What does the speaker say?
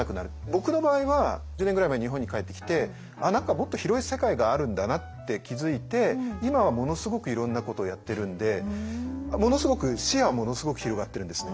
僕の場合は１０年ぐらい前に日本に帰ってきて何かもっと広い世界があるんだなって気付いて今はものすごくいろんなことをやってるんでものすごく視野はものすごく広がってるんです。